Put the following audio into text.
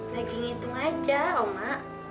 begitu ngitung aja oma